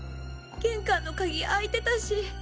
玄関の鍵開いてたし。